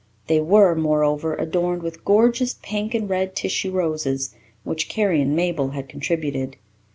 They were, moreover, adorned with gorgeous pink and red tissue roses, which Carrie and Mabel had contributed.